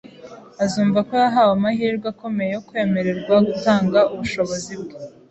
Azumva ko yahawe amahirwe akomeye yo kwemererwa gutanga ubushobozi bwe